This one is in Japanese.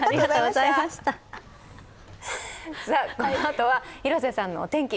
このあとは広瀬さんのお天気。